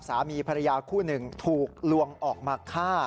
สามีภรรยาคู่หนึ่งถูกลวงออกมาฆ่า